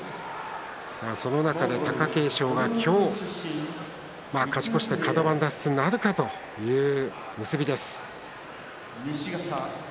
その中で貴景勝が今日勝ち越してカド番脱出なるかという結びです。